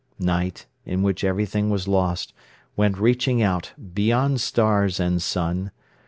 Night, in which everything was lost, went reaching out, beyond stars and sun.